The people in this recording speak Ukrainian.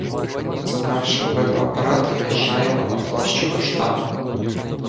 Забравши обидва апарати, виїжд жаємо на площу до штабу.